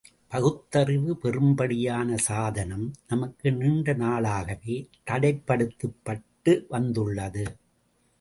பகுத்தறிவு பெறும்படியான சாதனம், நமக்கு நீண்ட நாளாகவே தடைப்படுத்தப்பட்டு வந்துள்ளது.